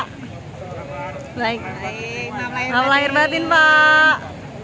selamat lahir batin pak